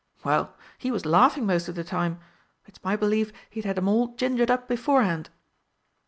"Well, he was laughing most of the time; it's my belief he'd had 'em all gingered up beforehand."